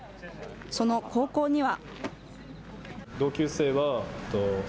その高校には。